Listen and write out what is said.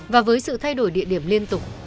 và với sự thay đổi địa điểm liên tục